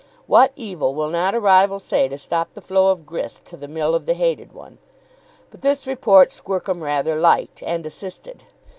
What evil will not a rival say to stop the flow of grist to the mill of the hated one? But this report Squercum rather liked, and assisted.